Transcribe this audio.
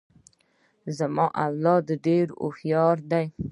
زما اولاد ډیر هوښیار دي.